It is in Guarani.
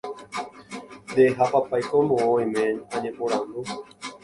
nde ha papáiko moõ oime añeporandu